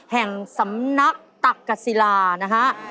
แห่งสำนักตักกษิลานะฮะ